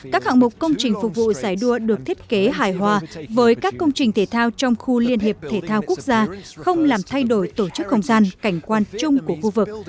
các hạng mục công trình phục vụ giải đua được thiết kế hài hòa với các công trình thể thao trong khu liên hiệp thể thao quốc gia không làm thay đổi tổ chức không gian cảnh quan chung của khu vực